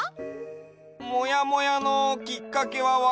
モヤモヤのきっかけはわかる？